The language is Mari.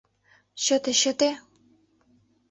Чыте, чыте.